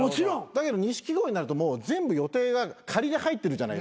だけど錦鯉になるともう全部予定が仮で入ってるじゃないですかテレビの仕事が。